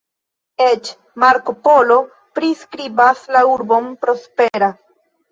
Eĉ Marko Polo priskribas la urbon prospera.